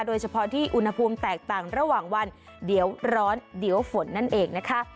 โดยเฉพาะที่อุณหภูมิแตกต่างระหว่างวันเดี๋ยวร้อนเดี๋ยวฝนนั่นเองนะคะ